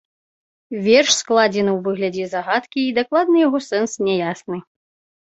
Верш складзены ў выглядзе загадкі, і дакладны яго сэнс няясны.